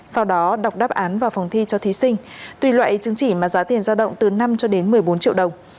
sau đó đọc đáp án vào phòng thi cho thí sinh tùy loại chứng chỉ mà giá tiền giao động từ năm cho đến một mươi bốn triệu đồng